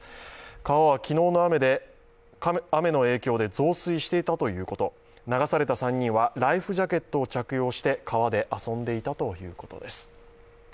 川は昨日の雨の影響で増水していたということ流された３人はライフジャケットを着用して川で遊んでいたということです。